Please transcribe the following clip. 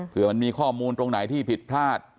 เพื่อมันมีข้อมูลตรงไหนที่ผิดพลาด